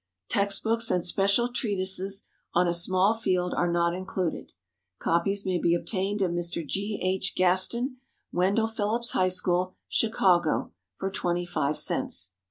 Text books and special treatises on a small field are not included. Copies may be obtained of Mr. G. H. Gaston, Wendell Phillips High School, Chicago, for twenty five cents.